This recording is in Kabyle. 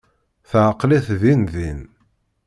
Teɛqel-it din din.